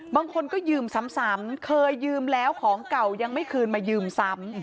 บางคนก็ยืมซ้ำเคยยืมแล้วของเก่ายังไม่คืนมายืมซ้ำ